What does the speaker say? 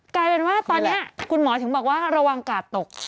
กลายเป็นว่าตอนนี้คุณหมอถึงบอกว่าระวังกาดตก